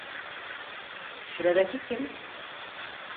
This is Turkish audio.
Şuradaki kim?